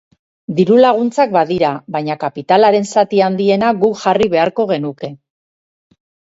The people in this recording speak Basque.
Diru-laguntzak badira, baina kapitalaren zati handiena guk jarri beharko genuke.